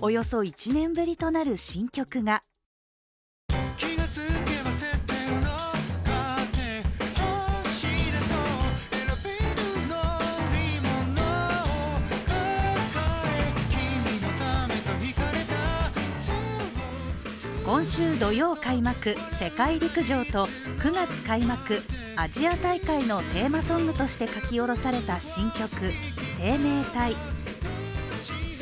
およそ１年ぶりとなる新曲が今週土曜開幕、世界陸上と９月開幕、アジア大会のテーマソングとして書き下ろされた新曲「生命体」。